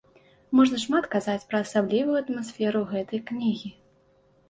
Можна шмат казаць пра асаблівую атмасферу гэтай кнігі.